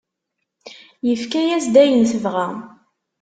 Yefka-as-d ayen tebɣa.